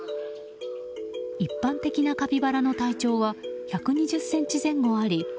一般的なカピバラの体長は１２０ｃｍ前後あり